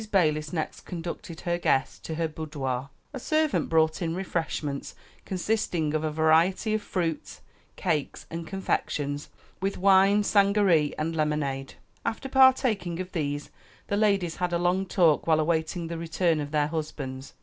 Balis next conducted her guest to her boudoir; a servant brought in refreshments, consisting of a variety of fruits, cakes, and confections, with wine sangaree and lemonade. After partaking of these, the ladies had a long talk while awaiting the return of their husbands.